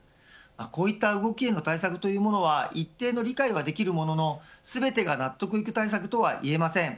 こういった動きへの対策というものは一定の理解はできるものの全てが納得いく対策とはいえません。